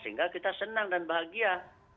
sehingga kita senang dan bahagia